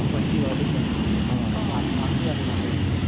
อ๋อภาพที่ทำเรื่อง